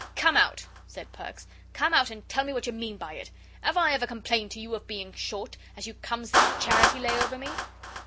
"Come out," said Perks, "come out and tell me what you mean by it. 'Ave I ever complained to you of being short, as you comes this charity lay over me?"